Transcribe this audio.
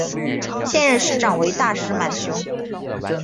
现任市长为大石满雄。